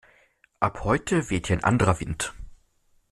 Ab heute weht hier ein anderer Wind!